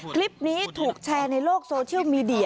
คลิปนี้ถูกแชร์ในโลกโซเชียลมีเดีย